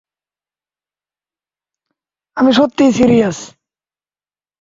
আমি সত্যিই সিরিয়াস।